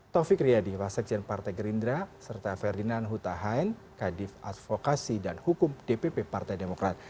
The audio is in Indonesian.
taufik riyadi wasekjen partai gerindra serta ferdinand hutahan kadif advokasi dan hukum dpp partai demokrat